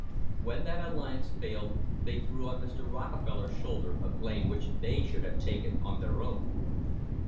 When that alliance failed they threw on Mr. Rocke feller's shoulders a blame which they should have taken on their own.